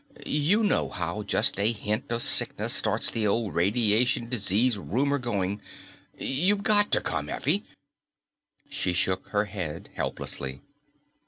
You know how just a hint of sickness starts the old radiation disease rumor going. You've got to come, Effie." She shook her head helplessly.